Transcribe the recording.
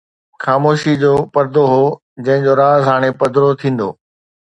خاموشيءَ جو پردو هو، جنهن جو راز هاڻي پڌرو ٿيندو